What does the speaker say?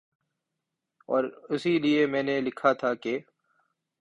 اور اسی لیے میں نے لکھا تھا کہ